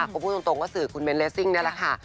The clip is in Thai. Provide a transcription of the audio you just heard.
ผมพูดตรงก็สื่อคุณเบนเรสซิ่งนั่นแหละค่ะ